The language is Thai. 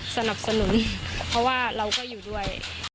สนับสนุนเพราะว่าเราก็อยู่ด้วย